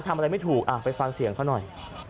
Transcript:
ทำอะไรไม่ถูกไปฟังเสียงเขาหน่อย